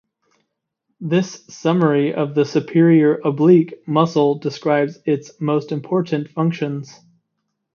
This summary of the superior oblique muscle describes its most important functions.